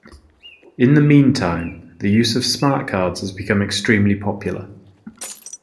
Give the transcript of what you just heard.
In the meantime, the use of smartcards has become extremely popular.